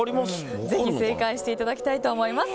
ぜひ正解していただきたいと思います。